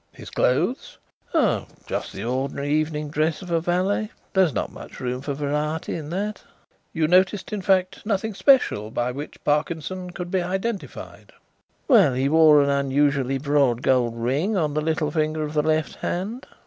"His clothes?" "Oh, just the ordinary evening dress of a valet. There is not much room for variety in that." "You noticed, in fact, nothing special by which Parkinson could be identified?" "Well, he wore an unusually broad gold ring on the little finger of the left hand."